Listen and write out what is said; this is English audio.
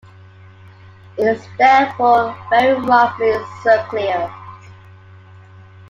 It is therefore very roughly circular.